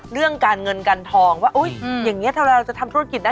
เรื่องการเงินการทองว่าอย่างนี้ถ้าเราจะทำธุรกิจได้